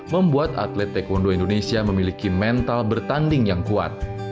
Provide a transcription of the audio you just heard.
membuat atlet taekwondo indonesia memiliki mental berat dan memiliki kemampuan untuk melakukan tugas yang berharga